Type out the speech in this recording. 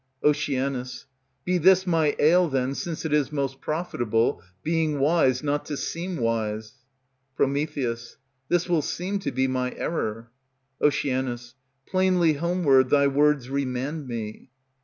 Oc. Be this my ail then, since it is Most profitable, being wise, not to seem wise. Pr. This will seem to be my error. Oc. Plainly homeward thy words remand me.